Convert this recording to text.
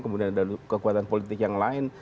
kemudian ada kekuatan politik yang lain